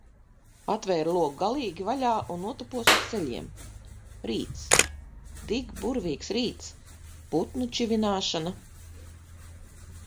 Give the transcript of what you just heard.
Atvēru logu galīgi vaļā un notupos uz ceļiem. Rīts. Tik burvīgs rīts! Putnu čivināšana.